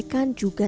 tidak ada yang kaya